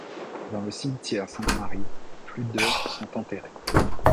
Dans le cimetière Sainte-Marie, plus de sont enterrées.